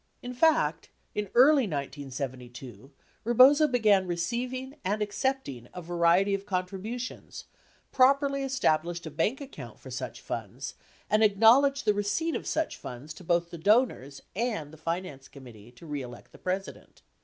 In fact, in early 1972, Rebozo began receiving and accepting a variety of contributions, properly established a bank account for such funds, and acknowledged the receipt of such funds to both the donors and the Finance Committee To Re Elect the President.